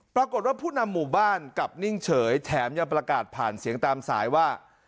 ปรากฏว่าผู้นำหมู่บ้านกลับนิ่งเฉยแถมยังประกาศผ่านเสียงตามสายว่า